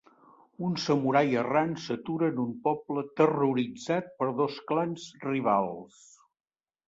Un samurai errant s'atura en un poble terroritzat per dos clans rivals.